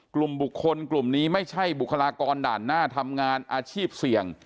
กลุ่มบุคคลกลุ่มนี้ไม่ใช่บุคลากรด่านหน้าทำงานอาชีพเสี่ยง